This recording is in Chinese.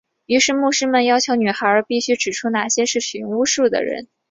于是牧师们要求女孩必须指出哪些是使用巫术的人。